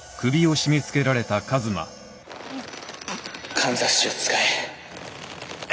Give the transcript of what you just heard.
・かんざしを使え。